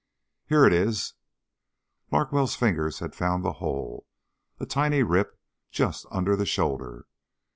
"Here it is!" Larkwell's fingers had found the hole, a tiny rip just under the shoulder.